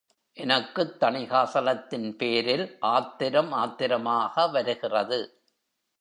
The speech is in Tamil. எனக்குத் தணிகாசலத்தின் பேரில் ஆத்திரம் ஆத்திரமாக வருகிறது.